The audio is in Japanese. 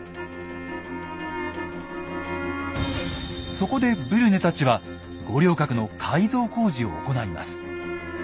そこでブリュネたちは五稜郭の改造工事を行います。